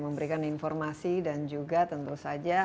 memberikan informasi dan juga tentu saja